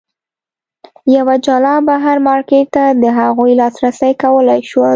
یوه جلا بهر مارکېټ ته د هغوی لاسرسی کولای شول.